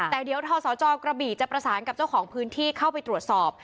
แต่เดี๋ยวทศจกระบี่จะประสานกับเจ้าของพื้นที่เข้าไปตรวจสอบ